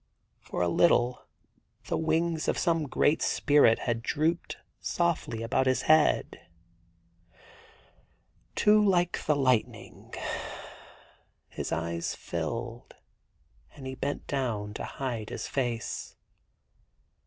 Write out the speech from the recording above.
For a little the wings of some great spirit had drooped softly about his head. ...* Too like the lightning. ...' His eyes filled and he bent down to hide his face.